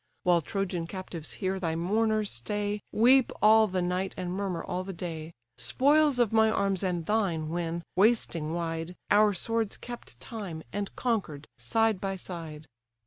While Trojan captives here thy mourners stay, Weep all the night and murmur all the day: Spoils of my arms, and thine; when, wasting wide, Our swords kept time, and conquer'd side by side."